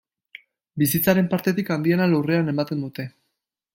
Bizitzaren parterik handiena lurrean ematen dute.